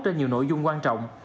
trên nhiều nội dung quan trọng